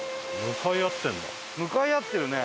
向かい合ってるね。